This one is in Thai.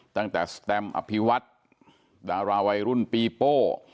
ตั้งแต่สแตมอภิวัฒน์ดาราวัยรุ่นปีโป้